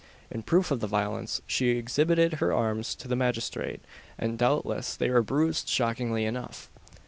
In proof of the violence, she exhibited her arms to the magistrate, and doubtless they were bruised shockingly enough.